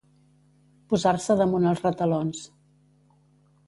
Posar-se damunt els retalons.